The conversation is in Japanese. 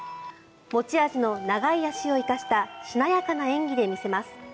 持ち味の長い足を生かしたしなやかな演技で見せます。